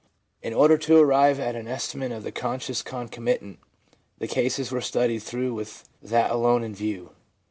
In order to arrive at an estimate of the conscious concomitant, the cases were studied through with that alone in view.